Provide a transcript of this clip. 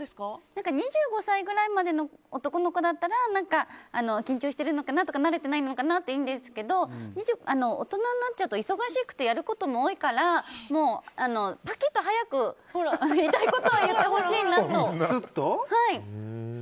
２５歳ぐらいまでの男の子だったら緊張しているのかなとか慣れていないのかなっていいんですけど大人になっちゃうと忙しくてやることも多いからもう、パキっと早く言いたいことは言ってほしいなと。